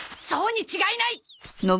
に違いない